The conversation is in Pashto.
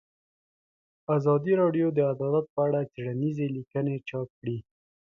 ازادي راډیو د عدالت په اړه څېړنیزې لیکنې چاپ کړي.